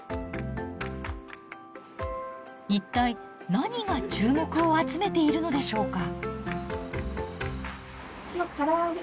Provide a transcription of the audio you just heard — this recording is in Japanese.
一体何が注目を集めているのでしょうか。